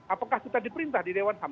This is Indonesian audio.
apakah kita diperintah di dewan ham